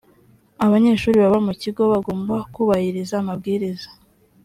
abanyeshuri baba mu kigo bagomba kubahiriza amabwiriza.